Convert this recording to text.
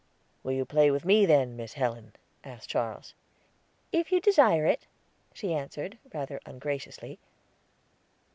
"Will you play with me then, Miss Helen?" asked Charles. "If you desire it," she answered, rather ungraciously.